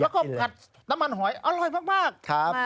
อยากกินเลยแล้วก็ผัดน้ำมันหอยอร่อยมากครับมาก